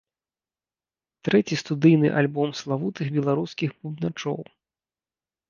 Трэці студыйны альбом славутых беларускіх бубначоў.